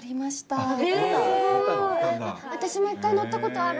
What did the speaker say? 私も１回乗ったことある。